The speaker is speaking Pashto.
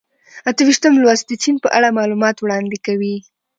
اته ویشتم لوست د چین په اړه معلومات وړاندې کوي.